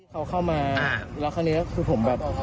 ที่เขาเข้ามาแล้วแค่เนี้ยคือผมแบบ